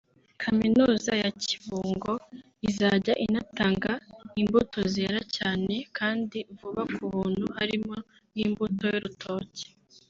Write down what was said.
Kaminuza ya Kibungo izajya inatanga imbuto zera cyane kandi vuba ku buntu harimo nk’imbuto y’urutoki